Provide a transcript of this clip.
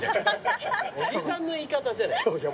おじさんの言い方じゃない。